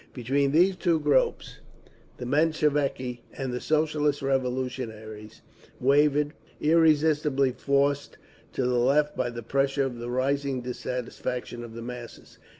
Between these two groups the Mensheviki and Socialist Revolutionaries wavered, irresistibly forced to the left by the pressure of the rising dissatisfaction of the masses.